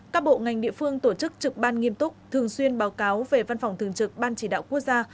các bộ ngành địa phương tổ chức trực ban nghiêm túc thường xuyên báo cáo về văn phòng thường trực ban chỉ đạo quốc gia